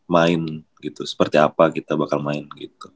main gitu seperti apa kita bakal main gitu